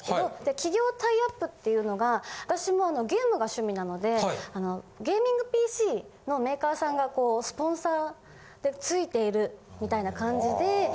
企業タイアップっていうのが私もゲームが趣味なのでゲーミングＰＣのメーカーさんがスポンサーでついているみたいな感じで。